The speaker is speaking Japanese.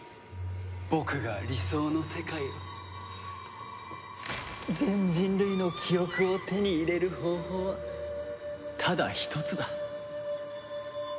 僕が理想の世界を全人類の記憶を手に入れる方法はただ一つだ。